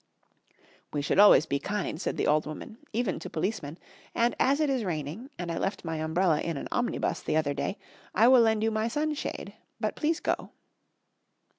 "We should always be kind," said the old woman, "even to policemen, and as it is raining and I left my umbrella in an omnibus the other day, I will lend you my sunshade. But please go."